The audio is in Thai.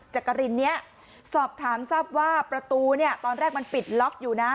จักรินเนี่ยสอบถามทราบว่าประตูเนี่ยตอนแรกมันปิดล็อกอยู่นะ